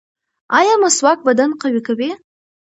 ایا مسواک بدن قوي کوي؟